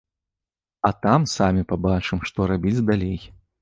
А там самі пабачым, што рабіць далей.